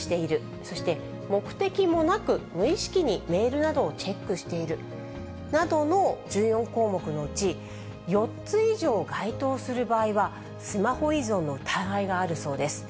そして、目的もなく無意識にメールなどをチェックしているなどの１４項目のうち、４つ以上該当する場合は、スマホ依存の疑いがあるそうです。